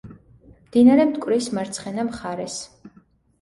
მდინარე მტკვრის მარცხენა მხარეს.